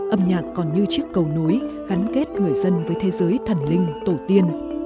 âm nhạc còn như chiếc cầu nối gắn kết người dân với thế giới thần linh tổ tiên